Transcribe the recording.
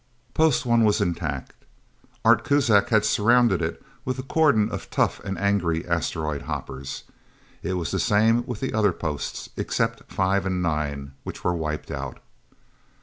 Post One was intact. Art Kuzak had surrounded it with a cordon of tough and angry asteroid hoppers. It was the same with the other posts, except Five and Nine, which were wiped out.